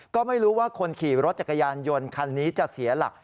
ก็ไม่รู้ว่าคนขี่รถจักรยานยนต์คันนี้จะเสียหลัก